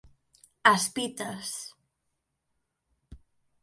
_As pitas...